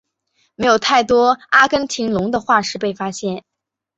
没有太多阿根廷龙的化石被发现。